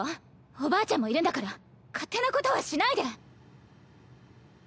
おばあちゃんもいるんだから勝手なことはしないで！